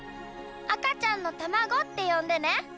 赤ちゃんのたまごってよんでね！